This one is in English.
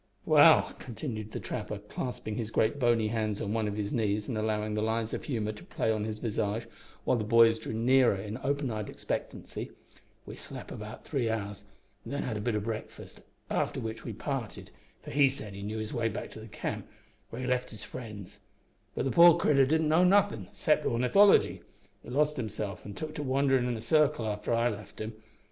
"Well," continued the trapper, clasping his great bony hands over one of his knees, and allowing the lines of humour to play on his visage, while the boys drew nearer in open eyed expectancy, "we slep' about three hours, an' then had a bit o' breakfast, after which we parted, for he said he knew his way back to the camp, where he left his friends; but the poor critter didn't know nothin' 'cept ornithology. He lost himself an took to wanderin' in a circle arter I left him.